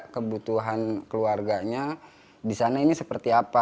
kebutuhan keluarganya di sana ini seperti apa